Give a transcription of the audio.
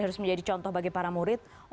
harus menjadi contoh bagi para murid